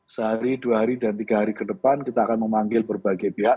jadi dari dua hari dan tiga hari ke depan kita akan memanggil berbagai pihak